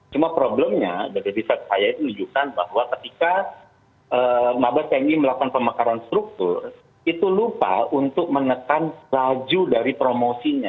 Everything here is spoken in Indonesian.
cuma problemnya dari riset saya itu menunjukkan bahwa ketika mabes tni melakukan pemekaran struktur itu lupa untuk menekan laju dari promosinya